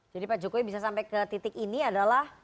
jadi pak jokowi bisa sampai ke titik ini adalah